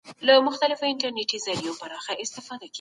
يابه قرضونه کوي اودغه عرفونه به پر ځای کوي، يابه د خلکو پيغورونه زغمي.